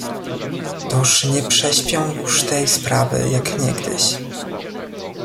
"Toż nie prześpią już tej sprawy, jak niegdyś."